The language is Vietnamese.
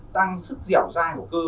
tăng sức dẻo dai của cơ